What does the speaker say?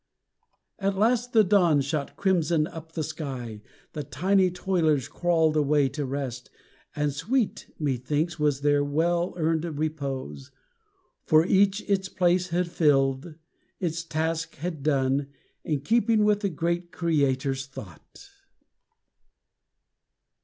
At last the dawn shot crimson up the sky; The tiny toilers crawled away to rest, And sweet, methinks, was their well earned repose, For each its place had filled, its task had done In keeping with the great Creator's thought.